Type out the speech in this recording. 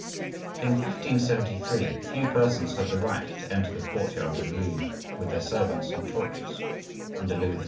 In 1573 few persons had the right to enter the courtyard of the Louvre with their servants and torches (under Louis XIV.